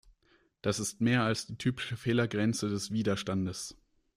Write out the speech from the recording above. Das ist mehr als die typische Fehlergrenze des Widerstandes.